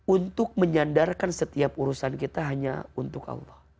untuk menyandarkan setiap urusan kita hanya untuk allah